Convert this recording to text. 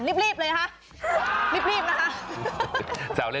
รีบรีบเลยนะคะ